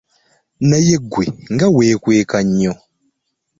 Naye ggwe nga weekweka nnyo.